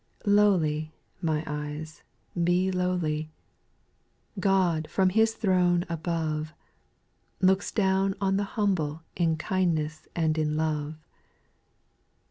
2. Lowly, my eyes, be lowly ; God, from His throne above, Looks down upon the humble In kindness and in love.